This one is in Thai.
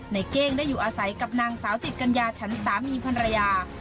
เก้งได้อยู่อาศัยกับนางสาวจิตกัญญาฉันสามีภรรยา